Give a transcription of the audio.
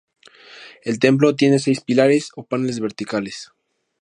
El templo tiene seis pilares o paneles verticales.